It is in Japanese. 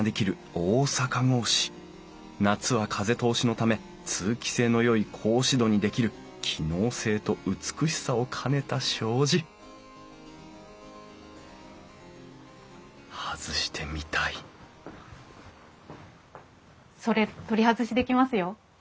夏は風通しのため通気性のよい格子戸にできる機能性と美しさを兼ねた障子外してみたいそれ取り外しできますよ。